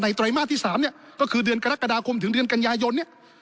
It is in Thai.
ไตรมาสที่๓เนี่ยก็คือเดือนกรกฎาคมถึงเดือนกันยายนเนี่ย